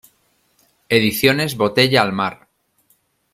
Ediciones Botella al Mar.